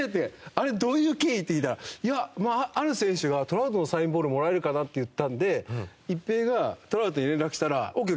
「あれどういう経緯？」って聞いたらある選手が「トラウトのサインボールもらえるかな？」って言ったんで一平がトラウトに連絡したら。